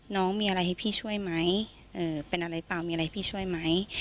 น้องมีอะไรให้พี่ช่วยไหมเป็นอะไรเปล่ามีอะไรพี่ช่วยไหม